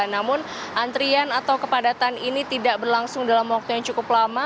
namun antrian atau kepadatan ini tidak berlangsung dalam waktu yang cukup lama